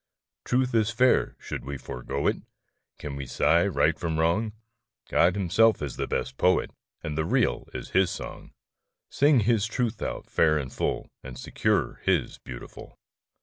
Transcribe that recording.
Truth is fair; should we forego it? Can we sigh right for a wrong ? God Himself is the best Poet, And the Real is His song. Sing His Truth out fair and full, And secure His beautiful.